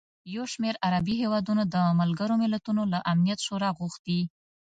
یوشمېر عربي هېوادونو د ملګروملتونو له امنیت شورا غوښتي